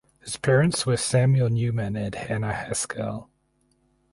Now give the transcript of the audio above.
His parents were Samuel Newman and Hannah Haskell.